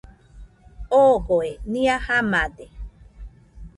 Ogoe nɨa jamade